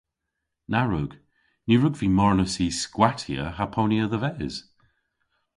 Na wrug. Ny wrug vy marnas y skwattya ha ponya dhe-ves.